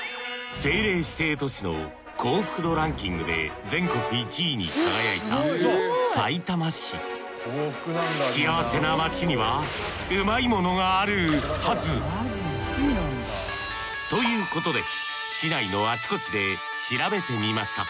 政令指定都市の幸福度ランキングで全国１位に輝いたさいたま市ということで市内のあちこちで調べてみました。